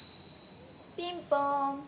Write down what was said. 「ピンポーン。